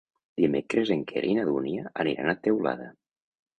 Dimecres en Quer i na Dúnia aniran a Teulada.